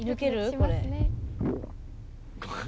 これ。